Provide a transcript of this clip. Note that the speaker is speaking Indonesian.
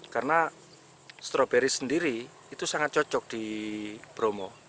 karena stroberi sendiri itu sangat cocok di bromo